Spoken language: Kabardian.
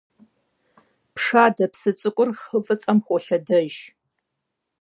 Пшадэ псы цӏыкӏур хы ФӀыцӀэм холъэдэж.